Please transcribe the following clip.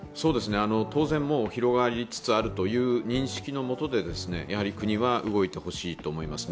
当然もう広がりつつあるという認識のもとで国は動いてほしいと思います。